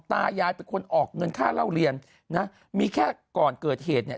ตายายเป็นคนออกเงินค่าเล่าเรียนนะมีแค่ก่อนเกิดเหตุเนี่ย